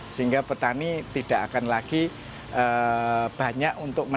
sehingga petani tidak akan lagi banyak untuk menanam